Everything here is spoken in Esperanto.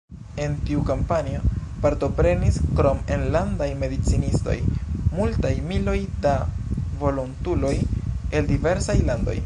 En tiu kampanjo partoprenis, krom enlandaj medicinistoj, multaj miloj da volontuloj el diversaj landoj.